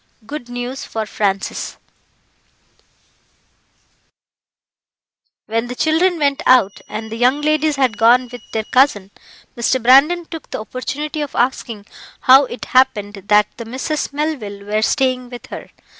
Good News For Francis When the children went out, and the young ladies had gone with their cousin, Mr. Brandon took the opportunity of asking how it happened that the Misses Melville were staying with her.